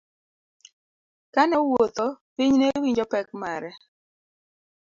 Kane owuotho, piny newinjo pek mare.